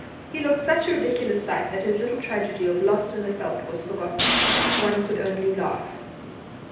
He looked such a ridiculous sight that his little tragedy of "lost in the veld" was forgotten one could only laugh.